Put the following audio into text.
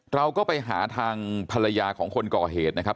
เราก็ไปหาทางภรรยาของคนก่อเหตุนะครับ